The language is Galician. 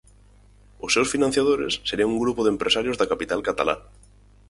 Os seus financiadores serían un grupo de empresarios da capital catalá.